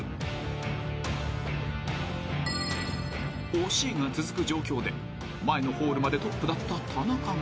［惜しいが続く状況で前のホールまでトップだった田中が］